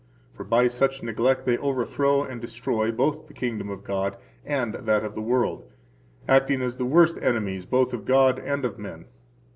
For by such neglect they overthrow and destroy both the kingdom of God and that of the world, acting as the worst enemies both of God and of men.